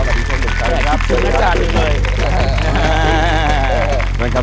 สวัสดีครับสวัสดีครับ